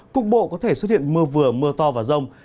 cục bộ có thể xuất hiện mưa vừa mưa to và rông